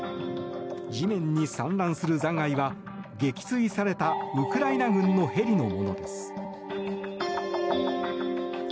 地面に散乱する残骸は撃墜されたウクライナ軍のヘリのものです。